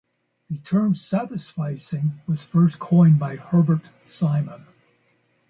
The term satisficing was first coined by Herbert Simon.